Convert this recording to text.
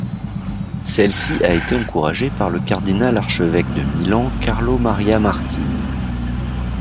Celle-ci a été encouragée par le cardinal archevêque de Milan, Carlo Maria Martini.